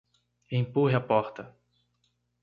Empurre a porta